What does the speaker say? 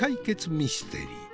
ミステリー。